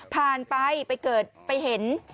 ผ่านไปไปเกิดไปเห็น